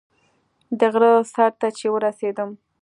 د غره سر ته چې ورسېدم.